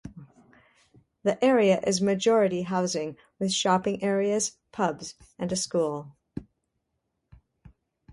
The area is majority housing, with shopping areas, pubs and a school.